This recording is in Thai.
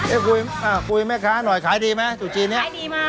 อ้าวคุยแม่ค้าน้อยคายดีมั้ยถูกที่นี้